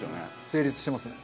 成立してますね。